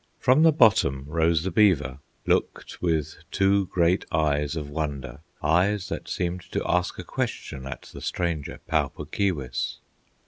From the bottom rose the beaver, Looked with two great eyes of wonder, Eyes that seemed to ask a question, At the stranger, Pau Puk Keewis.